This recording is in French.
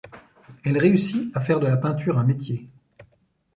Elle réussit à faire de la peinture un métier.